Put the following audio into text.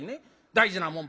大事なもん